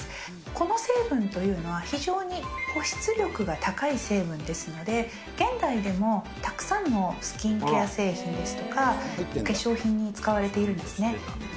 この成分というのは、非常に保湿力が高い成分ですので、現代でもたくさんのスキンケア製品ですとか、化粧品に使われているんですね。